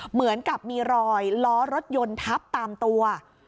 เหมือนกับมีรอยล้อรถยนต์ทับตามตัว